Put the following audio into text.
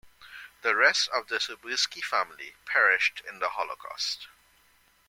The rest of the Soberski family perished in the Holocaust.